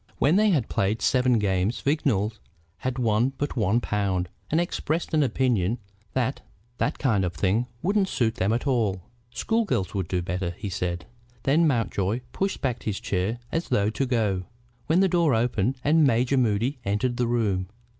When they had played seven games Vignolles had won but one pound, and expressed an opinion that that kind of thing wouldn't suit them at all. "School girls would do better," he said. Then Mountjoy pushed back his chair as though to go, when the door opened and Major Moody entered the room.